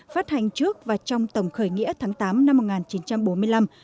phát hành trước và trong tổng khởi nghĩa tháng tám năm một nghìn chín trăm bốn mươi năm